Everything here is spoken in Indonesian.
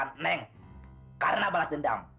karena di balas dendam aku dan itu adalah hal yang baik untuk aku